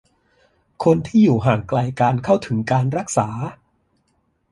คนที่อยู่ห่างไกลการเข้าถึงการรักษา